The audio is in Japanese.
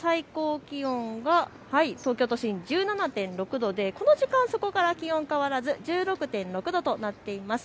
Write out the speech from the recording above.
日中の最高気温が東京都心１７．６度でこの時間はそこから変わらず１６．６度となっています。